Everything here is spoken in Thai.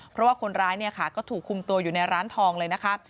เพราะว่าคนร้ายก็ถือคุมตัวอยู่ในร้านทองเลยนะ